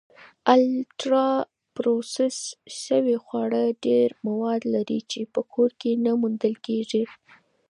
الټرا پروسس شوي خواړه ډېری مواد لري چې په کور کې نه موندل کېږي.